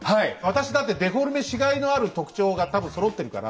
私だってデフォルメしがいのある特徴が多分そろってるから。